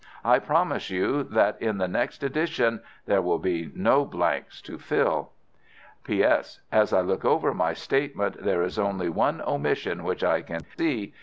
I promise you that in the next edition there will be no blanks to fill. "P.S.—As I look over my statement there is only one omission which I can see.